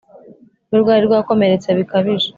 rwe rwari rwakomeretse bikabije